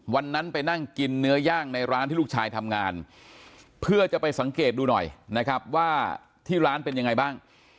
วันนั้นไปนั่งกินเนื้อย่างในร้านที่ลูกชายทำงานเพื่อจะไปสังเกตดูหน่อยนะครับว่าที่ร้านเป็นยังไงบ้าง